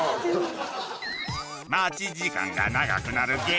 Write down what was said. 待ち時間が長くなる原因